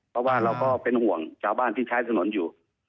เพราะว่าเราก็เป็นห่วงชาวบ้านที่ใช้ถนนอยู่